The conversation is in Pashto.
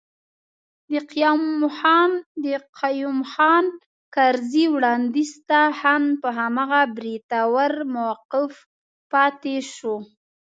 د قيوم خان کرزي وړانديز ته هم په هماغه بریتور موقف پاتي شو.